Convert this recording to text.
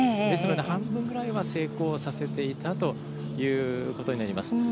ですので半分ぐらい成功させていたことになります。